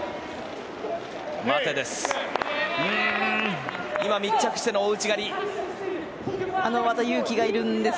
待てです。